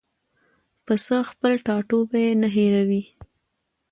پسه خپل ټاټوبی نه هېروي.